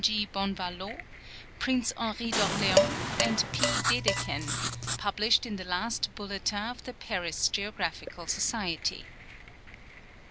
G. Bonvalot, Prince Henri d'Orleans, and P. Dedeken, pulilished in the last Bulletin of the Paris Geographical Society.